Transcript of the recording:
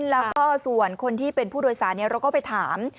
แล้วก็ส่วนคนที่เป็นผู้โดยสารเราก็ไปถาม